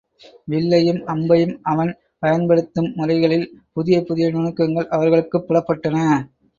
வில்லையும் அம்பையும் அவன் பயன்படுத்தும் முறைகளில் புதிய புதிய நுணுக்கங்கள் அவர்களுக்குப் புலப்பட்டன.